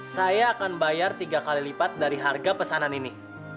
saya akan bayar tiga kali lipat dari harga pesanan ini